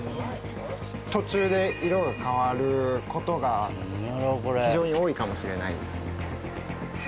途中で色が変わることが非常に多いかもしれないです